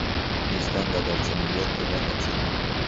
მისგან გადარჩენილია ქვედა ნაწილი.